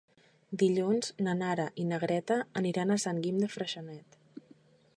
Dilluns na Nara i na Greta aniran a Sant Guim de Freixenet.